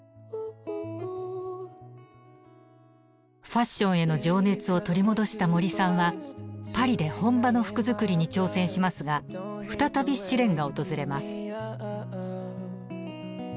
ファッションへの情熱を取り戻した森さんはパリで本場の服作りに挑戦しますが再び試練が訪れます。